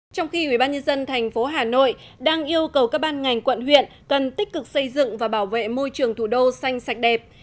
trong khi ubnd tp hà nội đang yêu cầu các ban ngành quận huyện cần tích cực xây dựng và bảo vệ môi trường thủ đô xanh sạch đẹp